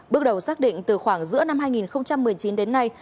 bước đầu xác định từ khoảng giữa năm hai nghìn một mươi chín đến nay